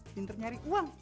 pinter nyari uang